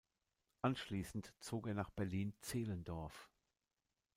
Anschließend zog er nach Berlin-Zehlendorf.